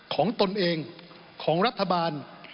ตนเองของรัฐบาล